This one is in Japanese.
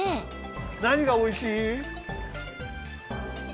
なにがおいしい？